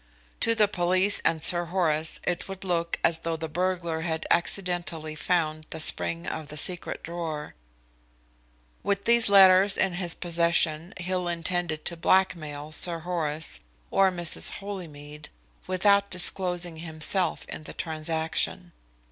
To the police and Sir Horace it would look as though the burglar had accidentally found the spring of the secret drawer. With these letters in his possession Hill intended to blackmail Sir Horace, or Mrs. Holymead, without disclosing himself in the transaction.